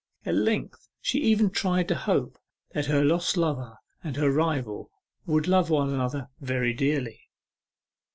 At length she even tried to hope that her lost lover and her rival would love one another very dearly.